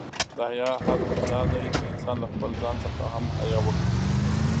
د حیا حد دا دی، چې انسان له خپله ځان څخه هم حیا وکړي.